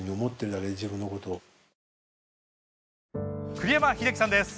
栗山英樹さんです。